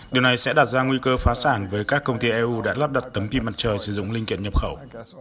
điều này sẽ đặt ra nguy cơ phá sản với các công ty eu đã lắp đặt tấm pin mặt trời sử dụng linh kiện nhập khẩu